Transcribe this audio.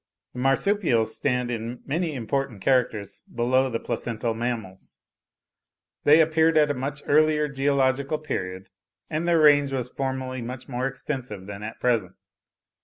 The Marsupials stand in many important characters below the placental mammals. They appeared at an earlier geological period, and their range was formerly much more extensive than at present.